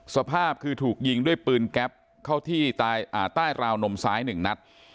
สภาพคือถูกยิงด้วยปืนแก๊ปเข้าที่ใต้ราวนมซ้าย๑นัด